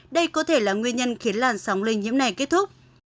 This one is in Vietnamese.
đây có thể là nguyên nhân khiến làn sóng lây nhiễm này kết thúc